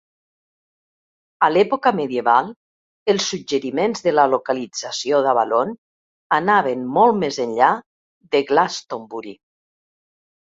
A l'època medieval, els suggeriments de la localització d'Avalon anaven molt més enllà de Glastonbury